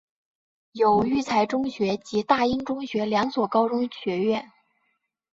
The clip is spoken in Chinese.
有育才中学及大英中学两所高中学院。